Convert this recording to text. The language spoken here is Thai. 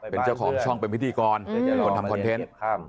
เป็นเจ้าของช่องเป็นบิทธิกรได้พร้อมทำคอนเทนต์